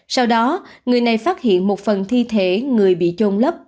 sau đó người này phát hiện một phần thi thể người bị trôn lấp